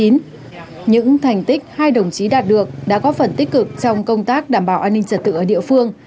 những thành tích hai đồng chí đạt được đã có phần tích cực trong công tác đảm bảo an ninh trật tự ở địa phương